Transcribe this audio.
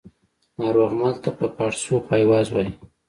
ناروغمل ته په پاړسو پایواز وايي